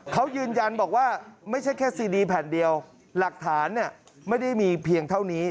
เขายืนยันบอกว่าไม่ใช่แค่ซีดีแผ่นเดียวหลักฐานเนี่ยไม่ได้มีเพียงเท่านี้